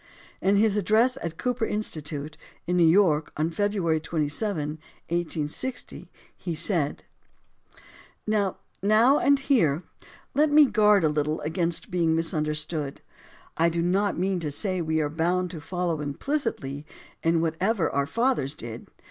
In his address at Cooper Institute, in New York, on February 27, 1860, he said: THE DEMOCRACY OF ABRAHAM LINCOLN 151 Now, and here, let me guard a little against being misunder stood. I do not mean to say we are bound to follow implicitly in whatever our fathers did.